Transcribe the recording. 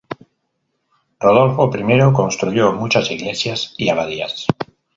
Rodolfo I construyó muchas iglesias y abadías.